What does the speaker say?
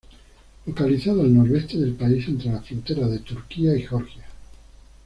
Localizada al noroeste del país, entre las fronteras de Turquía y Georgia.